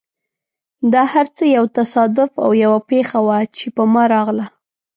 دا هر څه یو تصادف او یوه پېښه وه، چې په ما راغله.